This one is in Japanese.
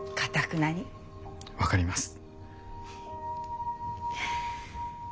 分かります。